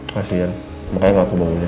kasian makanya nggak aku bangun ya